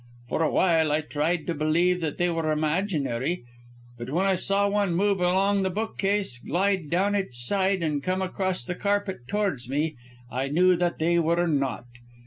For awhile I tried to believe that they were imaginary, but when I saw one move along the bookcase, glide down its side, and come across the carpet, towards me, I knew that they were not.